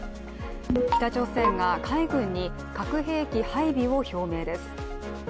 北朝鮮が海軍に核兵器配備を表明です。